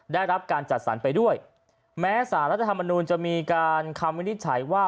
ได้รับการจัดสรรไปด้วยแม้สารรัฐธรรมนูลจะมีการคำวินิจฉัยว่า